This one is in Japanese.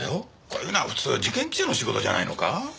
こういうのは普通事件記者の仕事じゃないのか？